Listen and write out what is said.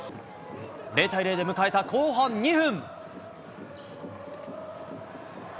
０対０で迎えた後半２分。